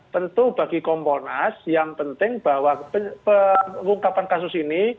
tentu bagi kompolnas yang penting bahwa pengungkapan kasus ini